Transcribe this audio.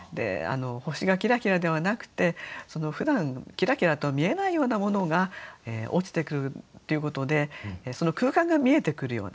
「星がきらきら」ではなくてふだんきらきらと見えないようなものが落ちてくるということでその空間が見えてくるような。